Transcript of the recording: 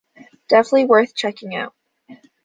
Definitely worth checking out.